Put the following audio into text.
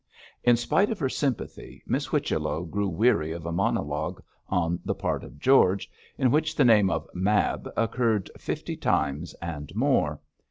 In spite of her sympathy, Miss Whichello grew weary of a monologue on the part of George, in which the name of 'Mab' occurred fifty times and more.